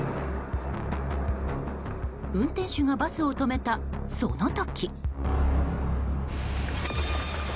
運転手がバスを止めたその時。